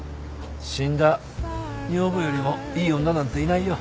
死んだ女房よりもいい女なんていないよ。